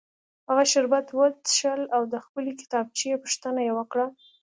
هغه شربت وڅښل او د خپلې کتابچې پوښتنه یې وکړه